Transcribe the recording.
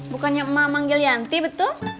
bukannya emak manggil yanti betul